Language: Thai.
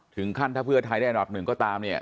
ถึงขั้นถ้าเพื่อไทยได้อันดับหนึ่งก็ตามเนี่ย